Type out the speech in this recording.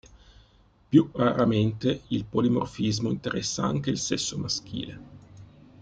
Più raramente il polimorfismo interessa anche il sesso maschile.